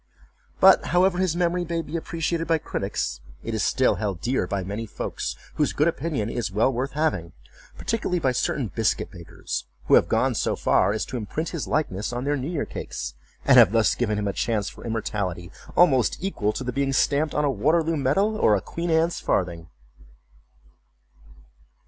But however his memory may be appreciated by critics, it is still held dear by many folks, whose good opinion is well worth having; particularly by certain biscuit bakers, who have gone so far as to imprint his likeness on their new year cakes; and have thus given him a chance for immortality, almost equal to the being stamped on a Waterloo Medal, or a Queen Anne's Farthing.